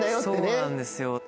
そうなんですよ。